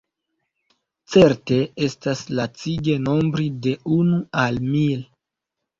Certe estas lacige nombri de unu al mil.